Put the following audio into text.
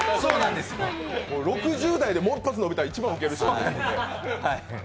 ６０代でもう一発伸びたら一番ウケるしね。